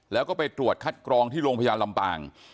แล้วก็ไปตรวจคัดกรองที่โรงพยาบาลลำปาง